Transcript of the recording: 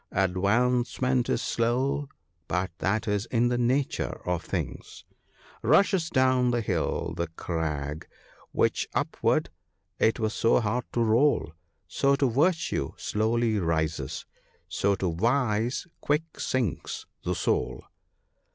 Advancement is slow — but that is in the nature of things, —" Rushes down the hill the crag, which upward 'twas so hard to roll : So to virtue slowly rises — so to vice quick sinks the soul.